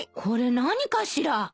これ何かしら？